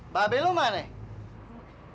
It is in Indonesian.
bapak belum mana